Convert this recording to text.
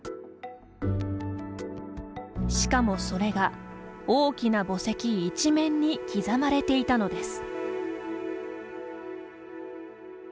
しかもそれが、大きな墓石一面に刻まれていたのです。